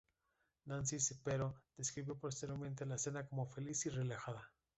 Nancy Spero describió posteriormente la cena como "feliz y relajada".